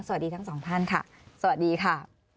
สวัสดีทั้งสองท่านค่ะสวัสดีค่ะ